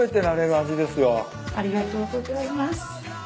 ありがとうございます。